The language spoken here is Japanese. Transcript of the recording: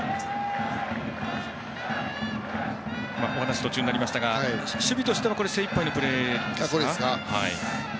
お話が途中になりましたが守備としては精いっぱいのプレーでしたか。